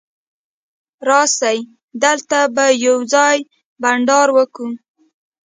راسئ! دلته به یوځای بانډار وکو.